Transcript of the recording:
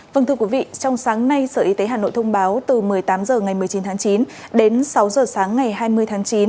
vâng thưa quý vị trong sáng nay sở y tế hà nội thông báo từ một mươi tám h ngày một mươi chín tháng chín đến sáu h sáng ngày hai mươi tháng chín